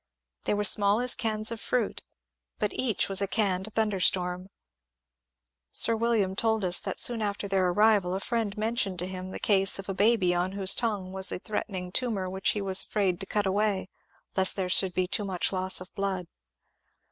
They were small as cans of fruit, but each was a canned thun derstorm. Sir William told us that soon after their arrival a friend mentioned to him the case of a baby on whose tongue was a threatening tumour which he was afraid to cut away, lest there should be too much loss of blood.